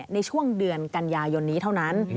ในช่วงเดือนกันยายนนี้เท่านั้น